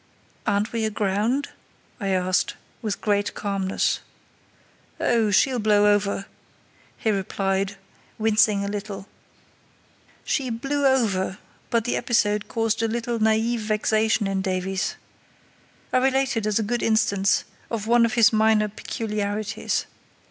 "Aren't we aground?" I asked with great calmness. "Oh, she'll blow over," he replied, wincing a little. She "blew over", but the episode caused a little naïve vexation in Davies. I relate it as a good instance of one of his minor peculiarities.